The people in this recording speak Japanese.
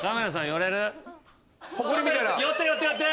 寄って寄って寄って。